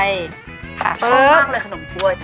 เยอะมากเลยขนมกลัว